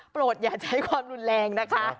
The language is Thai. อย่าใช้ความรุนแรงนะคะ